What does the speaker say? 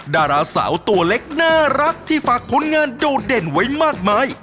ดาราสาวตัวเล็กน่ารักที่ฝากผลงานโดดเด่นไว้มากมาย